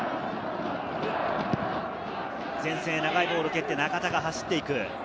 前線へ長いボールを蹴って、中田が走っていく。